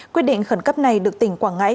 quyết định khẩn cấp này được tỉnh quảng ngãi